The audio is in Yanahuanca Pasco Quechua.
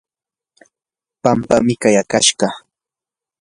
pampam kayakashqa.